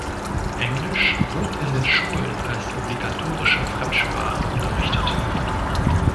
Englisch wird in den Schulen als obligatorische Fremdsprache unterrichtet.